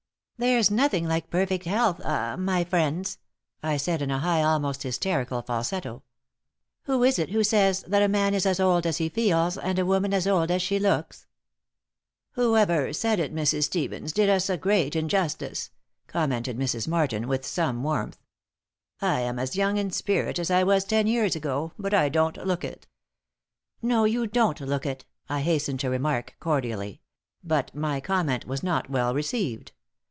"There's nothing like perfect health ah my friends," I said, in a high, almost hysterical, falsetto. "Who is it who says that a man is as old as he feels and a woman as old as she looks?" "Whoever said it, Mrs. Stevens, did us a great injustice," commented Mrs. Martin, with some warmth. "I am as young in spirit as I was ten years ago, but I don't look it." "No, you don't look it," I hastened to remark, cordially; but my comment was not well received.